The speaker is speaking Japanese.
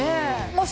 もし。